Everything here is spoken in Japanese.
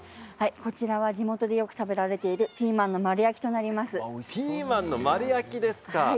こちらは地元でよく食べられているピーマンの丸焼きですか？